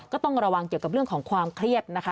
ก็ต้องระวังเกี่ยวกับเรื่องของความเครียดนะคะ